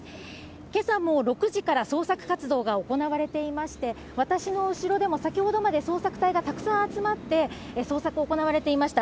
けさも６時から捜索活動が行われていまして、私の後ろでも、先ほどまで捜索隊がたくさん集まって、捜索が行われていました。